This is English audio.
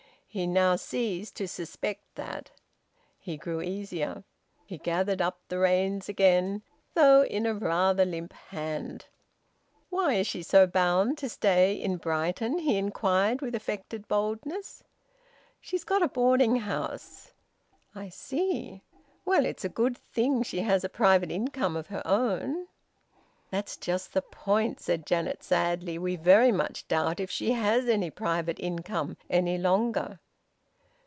He now ceased to suspect that. He grew easier. He gathered up the reins again, though in a rather limp hand. "Why is she so bound to stay in Brighton?" he inquired with affected boldness. "She's got a boarding house." "I see. Well, it's a good thing she has a private income of her own." "That's just the point," said Janet sadly. "We very much doubt if she has any private income any longer."